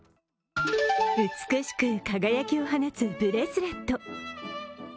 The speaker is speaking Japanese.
美しく輝きを放つブレスレット。